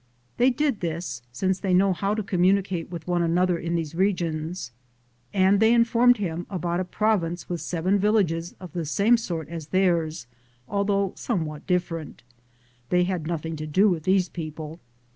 They did this, since they know how to com municate with one another in these regions, .and they informed him about a province with seven villages of the same sort as theirs, although somewhat different. They had nothing to do with these people.